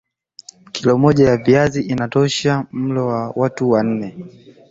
kilo moja ya viazi inatosha mlo wa watu nne